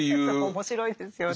面白いですよね。